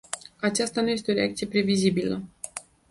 Aceasta nu este o reacție previzibilă.